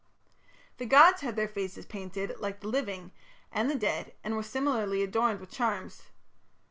The gods had their faces painted like the living and the dead and were similarly adorned with charms.